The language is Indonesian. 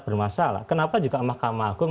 bermasalah kenapa juga mahkamah agung